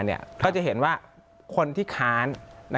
ก็จะเห็นว่าคนที่ค้าน